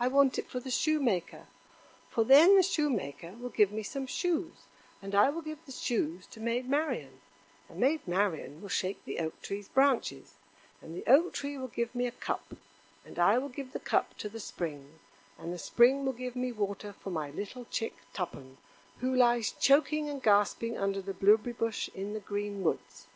I want it for the Shoemaker; for then the Shoemaker will give me some shoes, and I will give the shoes to Maid Marian, and Maid Marian will shake the Oak tree's branches, and the Oak tree will give me a cup, and I will give the cup to the Spring, and the Spring will give me water for my little chick Tuppen, who lies choking and gasping under the blueberry bush in the green woods."